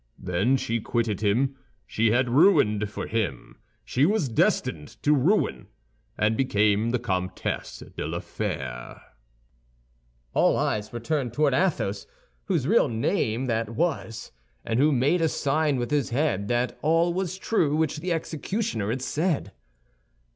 Then she quitted him she had ruined for him she was destined to ruin, and became the Comtesse de la Fère—" All eyes were turned towards Athos, whose real name that was, and who made a sign with his head that all was true which the executioner had said.